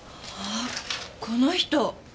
あこの人！